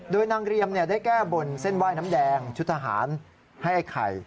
โดยนางเรียมได้แก้บนเส้นไหว้น้ำแดงชุดทหารให้ไอ้ไข่